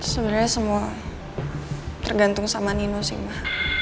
sebenernya semua tergantung sama nino sih ma